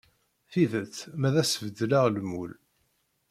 Tidet ma ad as-beddleɣ lmul.